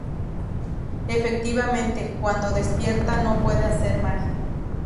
Efectivamente, cuando despierta no puede hacer magia.